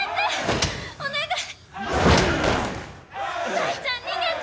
大ちゃん逃げて！